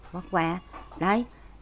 bánh tráng đông bình